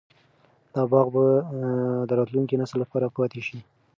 دا باغ به د راتلونکي نسل لپاره پاتې شي.